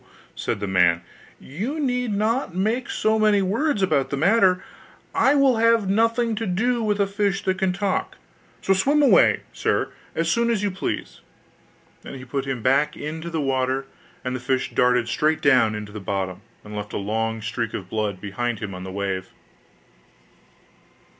said the man, 'you need not make so many words about the matter; I will have nothing to do with a fish that can talk: so swim away, sir, as soon as you please!' Then he put him back into the water, and the fish darted straight down to the bottom, and left a long streak of blood behind him on the wave.